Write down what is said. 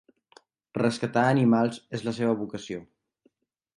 Rescatar animals és la seva vocació.